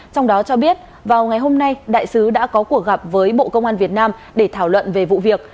trong đó cho biết vào ngày hôm nay đại sứ đã có cuộc gặp với bộ công an việt nam để thảo luận về vụ việc